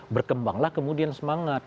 berkembanglah kemudian semangat